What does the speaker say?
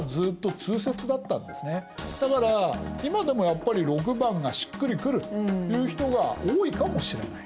だから今でもやっぱり⑥がしっくりくるという人が多いかもしれない。